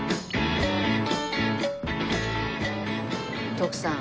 徳さん